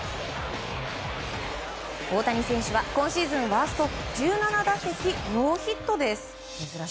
大谷選手は今シーズンワースト１７打席ノーヒットです。